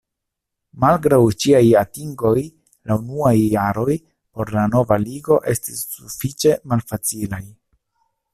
Malgraŭ ĉiaj atingoj la unuaj jaroj por la nova Ligo estis sufiĉe malfacilaj.